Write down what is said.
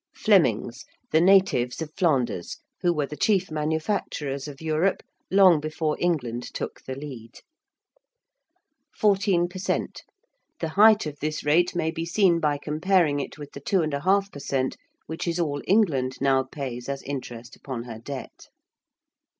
~Flemings~: the natives of Flanders; who were the chief manufacturers of Europe long before England took the lead. ~14 per cent.~: the height of this rate may be seen by comparing it with the 2½ per cent., which is all England now pays as interest upon her debt.